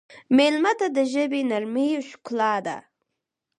مېلمه ته د ژبې نرمي ښکلا ده.